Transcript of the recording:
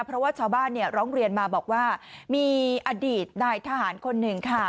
เพราะว่าชาวบ้านร้องเรียนมาบอกว่ามีอดีตนายทหารคนหนึ่งค่ะ